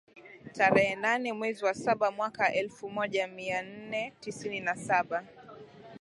tarehe nane mwezi wa saba mwaka elfu moja mia nne tisini na Saba